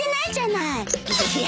いや。